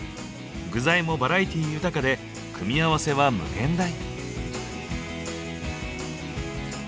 具材もバラエティー豊かで組み合わせは無限大。